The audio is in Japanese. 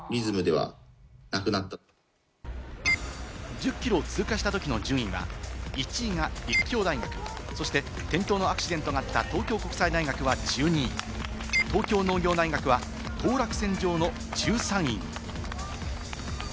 １０ｋｍを通過したときの順位は、１位が立教大学、そして転倒のアクシデントがあった東京国際大学は１２位、東京農業大学は当落線上の１３位。